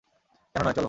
কেন নয়, চলো।